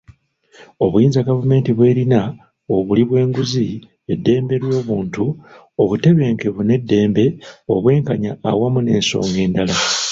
Obuyinza gavumenti bw'erina, obuli bw'enguzi, eddembe ly'obuntu, obutebenkevu n'eddembe, obwenkanya awamu n'ensonga endala.